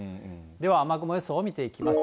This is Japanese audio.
では雨雲予想見ていきます。